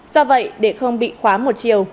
do vậy để không bị khóa một triệu